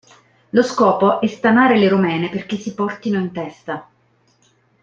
Lo scopo è stanare le romene perché si portino in testa.